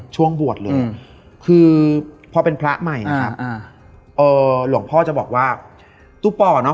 ช่วงบวชเลยคือพอเป็นพระใหม่นะครับอ่าเอ่อหลวงพ่อจะบอกว่าตุ๊ป่อเนอ